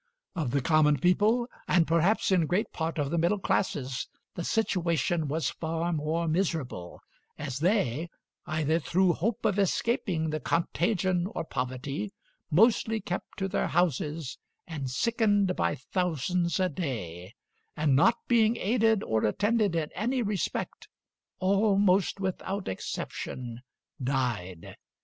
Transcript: Of the common people, and perhaps in great part of the middle classes, the situation was far more miserable, as they, either through hope of escaping the contagion or poverty, mostly kept to their houses and sickened by thousands a day, and not being aided or attended in any respect, almost without exception died.